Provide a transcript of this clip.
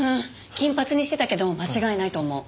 金髪にしてたけど間違いないと思う。